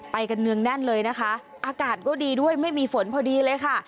ไปกันเนืองแน่นเลยนะคะอากาศก็ดีด้วยไม่มีฝนพอดีเลยค่ะ